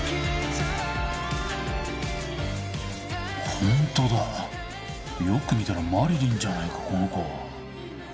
ほんとだよく見たらマリリンじゃないかこの子。